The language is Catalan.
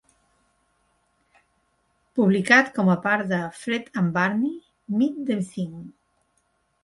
Publicat com a part de "Fred and Barney Meet The Thing"